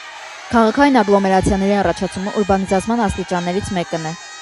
Քաղաքային ագլոմերացիաների առաջացումը ուրբանիզացման աստիճաններից մեկն է։